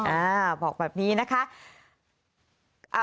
อ่าบอกแบบนี้นะคะ